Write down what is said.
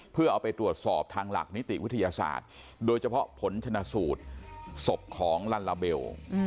เพื่อเอาไปตรวจสอบทางหลักนิติวิทยาศาสตร์โดยเฉพาะผลชนะสูตรศพของลัลลาเบล